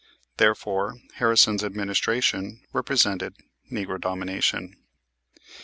Therefore, Harrison's administration represented "Negro Domination."